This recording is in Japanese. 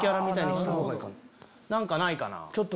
何かないかな？